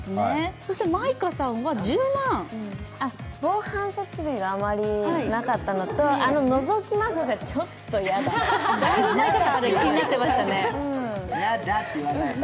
そして舞香さんは１０万？防犯があまりなかったのと、のぞき窓がちょっとやだ。